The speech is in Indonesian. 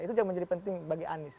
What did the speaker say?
itu yang menjadi penting bagi anies